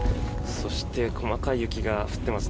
そして細かい雪が降っています。